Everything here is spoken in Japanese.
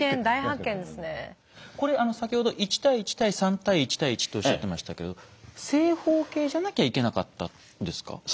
これ先ほど１：１：３：１：１とおっしゃってましたけど正方形じゃなきゃいけなかったんですか？